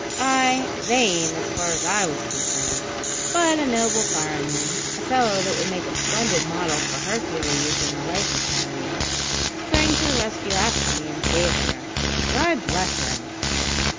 "Ay, vain, as far as I was concerned; but a noble fireman a fellow that would make a splendid model for Hercules in the Life Academy sprang to the rescue after me and saved her. God bless him!